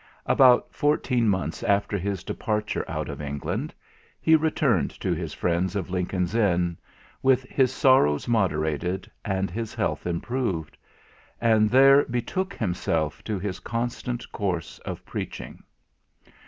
About fourteen months after his departure out of England, he returned to his friends of Lincoln's Inn, with his sorrows moderated, and his health improved; and there betook himself to his constant course of preaching.